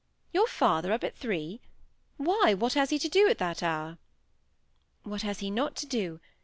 "Your father up at three! Why, what has he to do at that hour?" "What has he not to do?